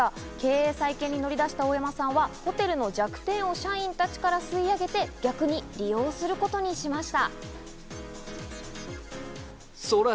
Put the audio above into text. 経営再建に乗り出した大山さんは、ホテルの弱点を社員たちから吸い上げて、逆に利用することにしました。